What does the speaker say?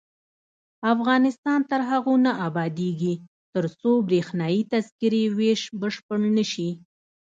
افغانستان تر هغو نه ابادیږي، ترڅو بریښنايي تذکرې ویش بشپړ نشي.